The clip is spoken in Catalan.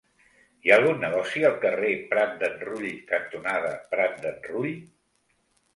Hi ha algun negoci al carrer Prat d'en Rull cantonada Prat d'en Rull?